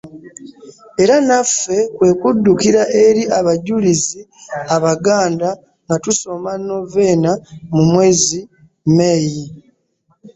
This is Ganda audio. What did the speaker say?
Era naffe kwe kuddukira eri Abajulizi Abaganda nga tusoma Novena mu mwezi May.